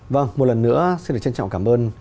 vâng một lần nữa xin được trân trọng cảm ơn